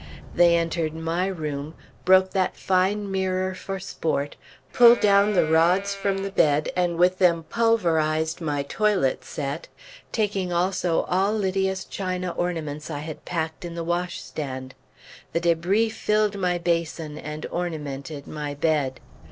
They entered my room, broke that fine mirror for sport, pulled down the rods from the bed, and with them pulverized my toilet set, taking also all Lydia's china ornaments I had packed in the wash stand. The débris filled my basin, and ornamented my bed.